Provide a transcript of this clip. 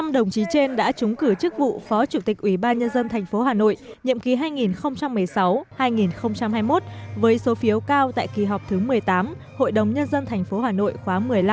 năm đồng chí trên đã trúng cử chức vụ phó chủ tịch ủy ban nhân dân tp hà nội nhiệm ký hai nghìn một mươi sáu hai nghìn hai mươi một với số phiếu cao tại kỳ họp thứ một mươi tám hội đồng nhân dân tp hà nội khóa một mươi năm